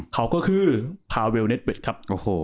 เค้าก็คือพาร์วีลเชฟเวทครับ